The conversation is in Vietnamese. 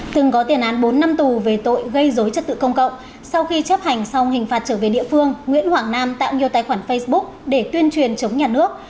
từng có tiền án bốn năm tù về tội gây dối trật tự công cộng sau khi chấp hành xong hình phạt trở về địa phương nguyễn hoàng nam tạo nhiều tài khoản facebook để tuyên truyền chống nhà nước